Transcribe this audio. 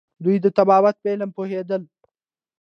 دوی د طبابت په علم پوهیدل